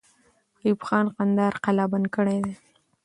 ایوب خان کندهار قلابند کړی دی.